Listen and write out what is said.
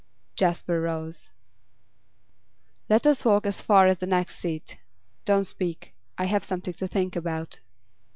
Jasper rose. 'Let us walk as far as the next seat. Don't speak. I have something to think about.